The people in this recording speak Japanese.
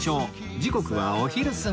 時刻はお昼過ぎ